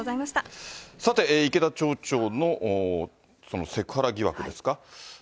さて、池田町長のセクハラ疑惑ですか。